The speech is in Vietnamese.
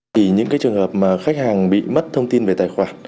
thì những cái trường hợp mà khách hàng bị mất thông tin về tài khoản